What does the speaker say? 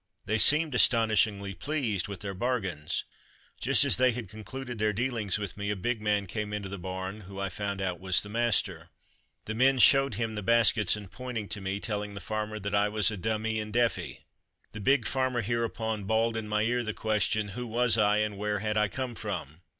They seemed astonishingly pleased with their bargains. Just as they had concluded their dealings with me a big man came into the barn, who I found out was the master. The men showed him the baskets and pointed to me, telling the farmer that I was a "dumby and deafy." The big farmer hereupon bawled in my ear the question, "who was I, and where had I come from?"